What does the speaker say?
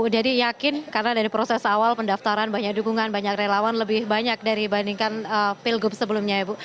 jadi yakin karena dari proses awal pendaftaran banyak dukungan banyak relawan lebih banyak dari bandingkan pilgub sebelumnya ya bu